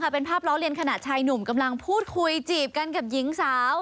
เป็นภาพล้อเลียนขณะชายหนุ่มกำลังพูดคุยจีบกันกับหญิงสาว